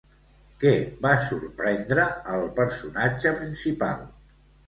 Què va sorprendre el personatge principal?